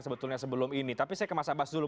sebetulnya sebelum ini tapi saya ke mas abbas dulu